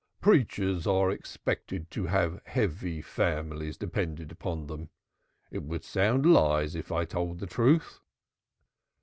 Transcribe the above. "Preachers are expected to have heavy families dependent upon them. It would sound lies if I told the truth."